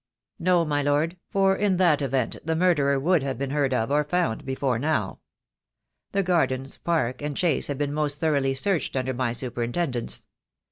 "No, my Lord, for in that event the murderer would have been heard of or found before now. The gardens, park, and chase have been most thoroughly searched under my superintendence.